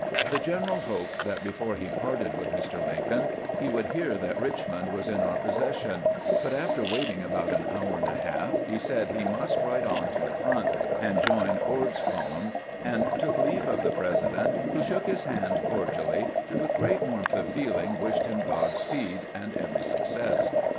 The general hoped that before he parted with Mr, Lincoln he would hear that Richmond was in our pos session ; but after waiting about an hour and a half, he said he must ride on to the front and join Ord's column, and took leave of the President, who shook his hand cordially, and with great warmth of feeling wished him God speed and every success.